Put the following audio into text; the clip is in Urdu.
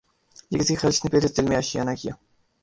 یہ کس خلش نے پھر اس دل میں آشیانہ کیا